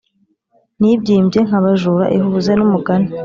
nibyimbye nkabajura ihuza numugani